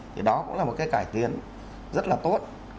thì đó cũng là một cái cải tiến rất là tốt